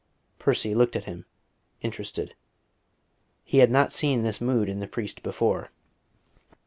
Percy looked at him, interested. He had not seen this mood in the priest before.